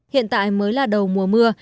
hiện tại mới là đầu mùa mưa